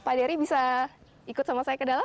pak dery bisa ikut sama saya ke dalam